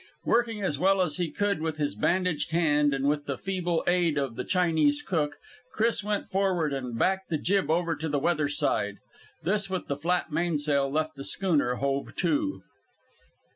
Working as well as he could with his bandaged hand, and with the feeble aid of the Chinese cook, Chris went forward and backed the jib over to the weather side. This with the flat mainsail, left the schooner hove to.